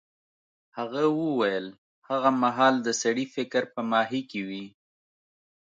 هغه وویل هغه مهال د سړي فکر په ماهي کې وي.